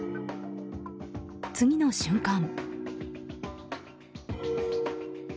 次の瞬間。